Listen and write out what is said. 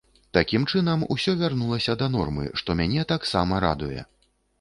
Такім чынам, усё вярнулася да нормы, што мяне таксама радуе.